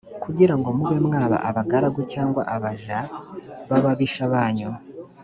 kugira ngo mube mwaba abagaragu cyangwa abaja b’ababisha banyu,